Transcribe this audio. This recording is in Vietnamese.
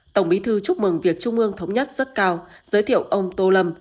tổng bí thư chúc mừng việc chung mương thống nhất rất cao giới thiệu ông tô lâm